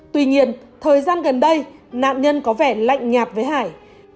tuy nhiên thời gian gần đây nạn nhân có vẻ lạnh nhạt với hải